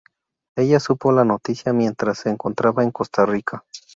Ella supo la noticia mientras se encontraba en Costa Rica.